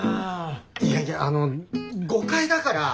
いやいやあの誤解だから。